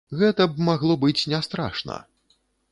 Гэта б магло быць не страшна.